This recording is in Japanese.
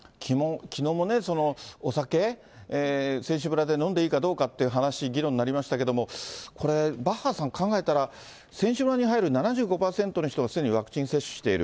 きのうもね、お酒、選手村で飲んでいいかどうかっていう話、議論になりましたけど、これ、バッハさん、考えたら、選手村に入る７５％の人がすでにワクチン接種している。